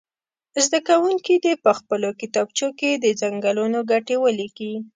زده کوونکي دې په خپلو کتابچو کې د څنګلونو ګټې ولیکي.